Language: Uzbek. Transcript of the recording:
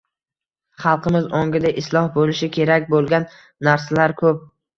Xalqimiz ongida isloh bo‘lishi kerak bo‘lgan narsalar ko‘p.